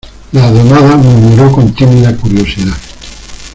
la donada murmuró con tímida curiosidad: